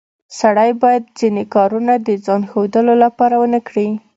سړی باید ځینې کارونه د ځان ښودلو لپاره ونه کړي